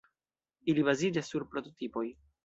Ili baziĝas sur prototipoj.